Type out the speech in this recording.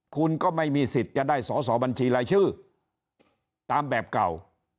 คุณก็ไม่มีสิทธิ์จะได้สอสอบัญชีรายชื่อตามแบบเก่า